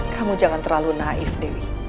kamu jangan terlalu naif dewi